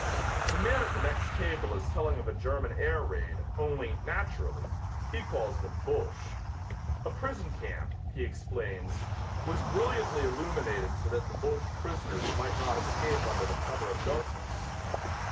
The man at the next table is telling of a German air raid, only, naturally, he calls them Boches. A prison camp, he explains, was brilliantly illuminated so that the Boche prisoners might not escape under the cover of darkness.